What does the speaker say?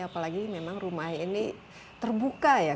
apalagi memang rumah ini terbuka ya